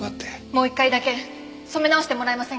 もう一回だけ染め直してもらえませんか？